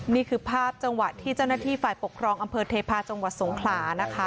นี่คือภาพจังหวะที่เจ้าหน้าที่ฝ่ายปกครองอำเภอเทพาะจังหวัดสงขลานะคะ